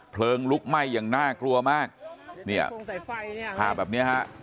เพลิงลุกไหม้อย่างน่ากลัวมากเนี่ยภาพแบบเนี้ยฮะ